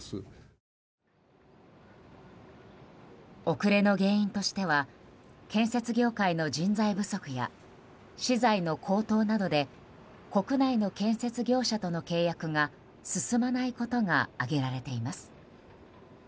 遅れの原因としては建設業界の人材不足や資材の高騰などで国内の建設業者との契約が進まないことが挙げられています。